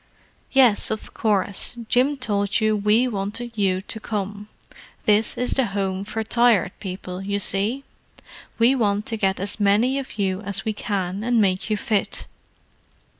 "Yes, of course. Jim told you we wanted you to come. This is the Home for Tired People, you see; we want to get as many of you as we can and make you fit.